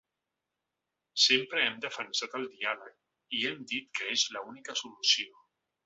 Sempre hem defensat el diàleg i hem dit que és la única solució.